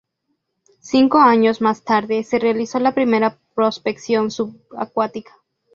Cinco años más tarde, se realizó la primera prospección subacuática.